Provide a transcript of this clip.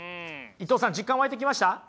伊藤さん実感湧いてきました？